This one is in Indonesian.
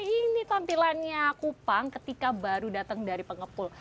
ini tampilannya kupang ketika baru datang dari kabupaten sidoarjo